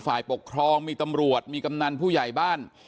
ฝ่ายปกครองมีตำรวจมีกำนันผู้ใหญ่บ้าน